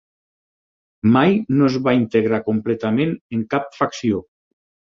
Mai no es va integrar completament en cap facció.